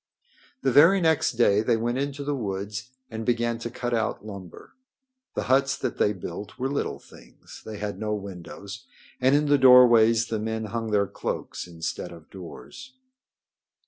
The very next day they went into the woods and began to cut out lumber. The huts that they built were little things. They had no windows, and in the doorways the men hung their cloaks instead of doors.